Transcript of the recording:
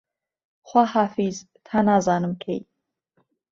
خواحافیز تا نازانم کەی